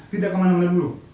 tidak kemana mana dulu